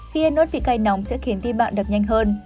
khi ăn ớt vì cay nóng sẽ khiến tim bạn đập nhanh hơn